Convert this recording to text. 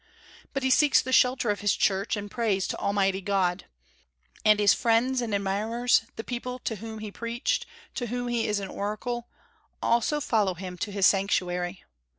But he seeks the shelter of his church, and prays to Almighty God. And his friends and admirers the people to whom he preached, to whom he is an oracle also follow him to his sanctuary.